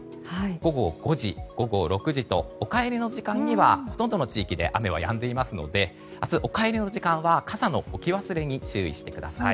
午後５時、午後６時とお帰りの時間にはほとんどの地域で雨はやんでいますので明日お帰りの時間は傘の置き忘れに注意してください。